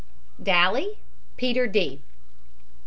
DALY, PETER D.